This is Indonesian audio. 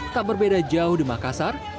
tak berbeda jauh di makassar